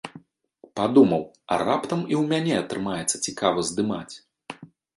Падумаў, а раптам і ў мяне атрымаецца цікава здымаць.